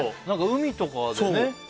海とかでね